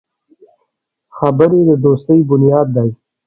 خبرې د دوستي بنیاد دی